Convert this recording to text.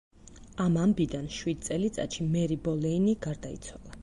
ამ ამბიდან შვიდ წელიწადში მერი ბოლეინი გარდაიცვალა.